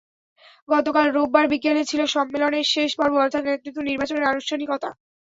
গতকাল রোববার বিকেলে ছিল সম্মেলনের শেষ পর্ব অর্থাৎ নেতৃত্ব নির্বাচনের আনুষ্ঠানিকতা।